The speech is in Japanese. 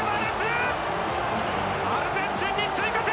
アルゼンチンに追加点！